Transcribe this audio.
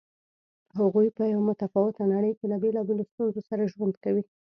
هغوی په یوه متفاوته نړۍ کې له بېلابېلو ستونزو سره ژوند کوي.